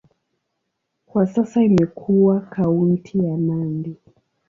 Kwa sasa imekuwa kaunti ya Nandi.